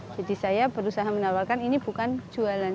jadi saya berusaha menawarkan ini bukan jualan